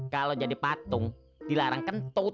kalau jadi patung dilarang kentut